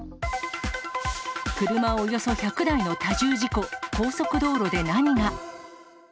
車およそ１００台の多重事故、高速道路で何が？